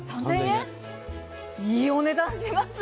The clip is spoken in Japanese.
いいお値段しますよね。